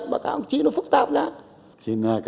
bác cao trí nó phức tạp nhá